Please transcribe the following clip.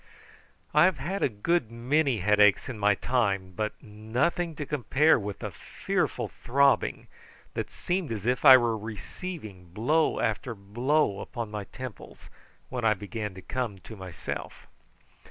I have had a good many headaches in my time, but nothing to compare with the fearful throbbing, that seemed as if I were receiving blow after blow upon my temples, when I began to come to myself.